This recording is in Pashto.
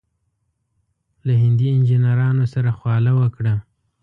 له هندي انجنیرانو سره خواله وکړه.